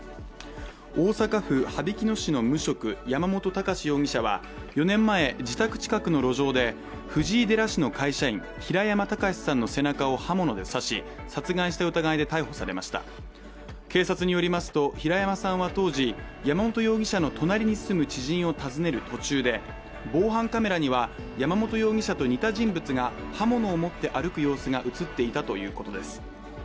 大阪府羽曳野市の無職、山本孝容疑者は、４年前、自宅近くの路上で藤井寺市の会社員、平山喬司さんの背中を刃物で刺し殺害した疑いで逮捕されました警察によりますと平山さんは当時、山本容疑者の隣に住む知人を訪ねる途中で防犯カメラには山本容疑者と似た人物が刃物を持って歩く様子が映っていたということです。